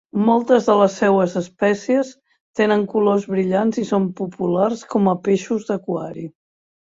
Moltes de les seues espècies tenen colors brillants i són populars com a peixos d'aquari.